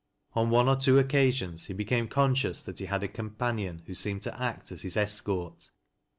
On one or two occasions he became conscious that he had a compan ion who seemed to act as his escort.